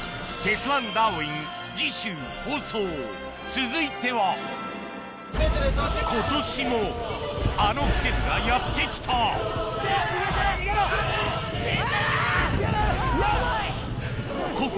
続いては今年もあの季節がやって来たここ